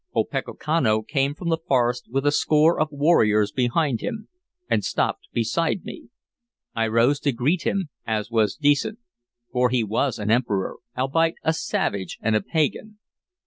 Opechancanough came from the forest with a score of warriors behind him, and stopped beside me. I rose to greet him, as was decent; for he was an Emperor, albeit a savage and a pagan.